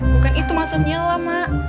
bukan itu maksudnya lah mak